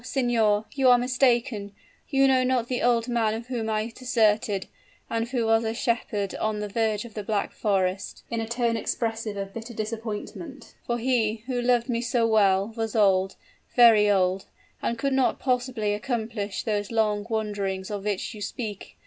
signor, you are mistaken you know not the old man whom I deserted, and who was a shepherd on the verge of the Black Forest!" interrupted Agnes, in a tone expressive of bitter disappointment, "for he, who loved me so well, was old very old, and could not possibly accomplish those long wanderings of which you speak.